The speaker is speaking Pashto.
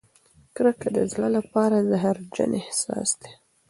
کرکه د زړه لپاره زهرجن احساس دی.